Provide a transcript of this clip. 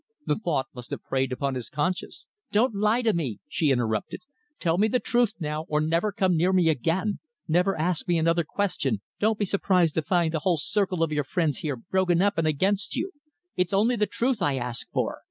The thought must have preyed upon his conscience." "Don't lie to me!" she interrupted. "Tell me the truth now or never come near me again, never ask me another question, don't be surprised to find the whole circle of your friends here broken up and against you. It's only the truth I ask for.